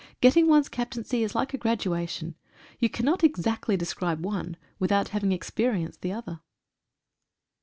Getting one's captaincy is like a graduation. You cannot exactly describe one, without having experi enced the other.